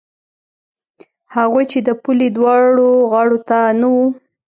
هغوی چې د پولې دواړو غاړو ته نه وو.